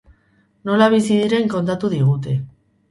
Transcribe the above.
Nola bizi diren kontatu digute.